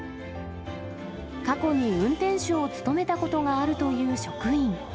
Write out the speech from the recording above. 過去に運転手を務めたことがあるという職員。